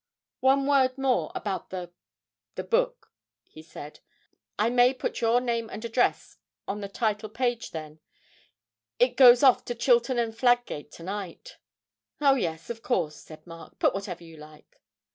'One word more about the the book,' he said. 'I may put your name and address on the title page, then? It goes off to Chilton and Fladgate to night.' 'Oh yes, of course,' said Mark, 'put whatever you like.'